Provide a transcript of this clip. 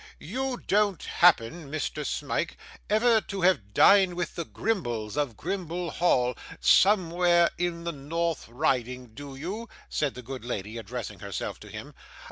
You don't happen, Mr. Smike, ever to have dined with the Grimbles of Grimble Hall, somewhere in the North Riding, do you?' said the good lady, addressing herself to him.